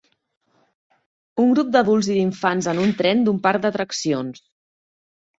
Un grup d'adults i d'infants en un tren d'un parc d'atraccions.